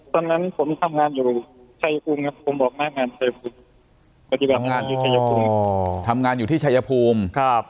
ตอนนั้นผมทำงานอยู่ชัยภูมิ